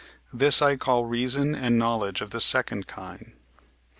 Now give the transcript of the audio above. this I call reason and knowledge of the second kind.